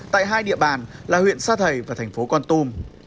tại hai địa bàn là huyện sa thầy và thành phố con tum